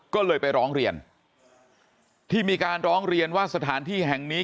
ก็เลยไปร้องเรียนที่มีการร้องเรียนว่าสถานที่แห่งนี้